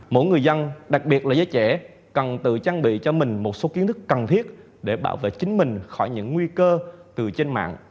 mỗi người dân đặc biệt là giới trẻ cần tự trang bị cho mình một số kiến thức cần thiết để bảo vệ chính mình khỏi những nguy cơ từ trên mạng